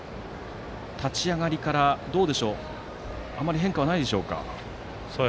立ち上がりからあまり変化はないでしょうか。